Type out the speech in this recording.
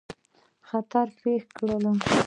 خطر پېښ کړي.